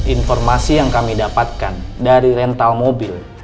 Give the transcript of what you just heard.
informasi yang kami dapatkan dari rental mobil